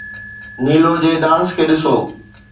Neelo ji dance کي ڏسو.